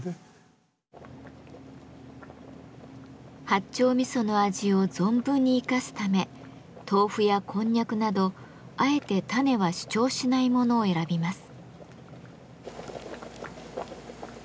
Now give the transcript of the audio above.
八丁味噌の味を存分に生かすため豆腐やこんにゃくなどあえて種は主張しないものを選びます。